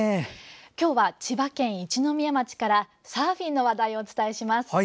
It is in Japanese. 今日は、千葉県一宮町からサーフィンの話題をお伝えします。